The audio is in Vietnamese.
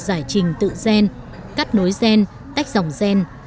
giải trình tự gen kết nối gen tách dòng gen